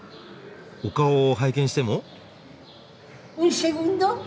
お顔を拝見しても？